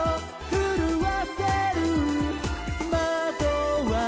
うわ！